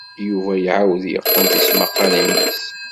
Yuba iɛawed yeqqen tismaqqalin-is.